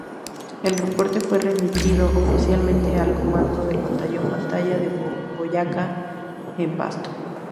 El reporte fue remitido oficialmente al comando del batallón Batalla de Boyacá en Pasto.